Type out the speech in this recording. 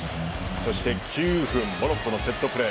そして９分モロッコのセットプレー。